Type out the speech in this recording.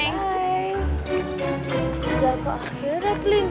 jangan ke akhirat lin